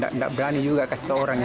tidak berani juga kasih tahu orang ya